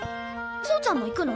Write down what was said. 走ちゃんも行くの？